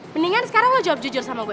mendingan sekarang lo jawab jujur sama gue